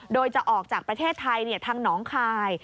โดยจะออกจากประเทศไทยทางหนองคาย